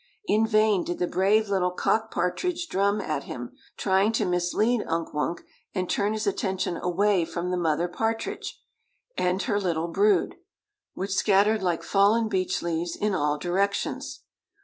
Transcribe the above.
In vain did the brave little cock partridge drum at him, trying to mislead Unk Wunk and turn his attention away from the mother partridge and her little brood, which scattered like fallen beech leaves in all directions.